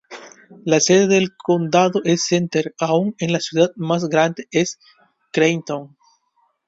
La sede del condado es Center aunque la ciudad más grande es Creighton.